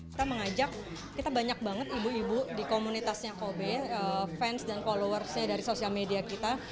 kita mengajak kita banyak banget ibu ibu di komunitasnya kobe fans dan followersnya dari sosial media kita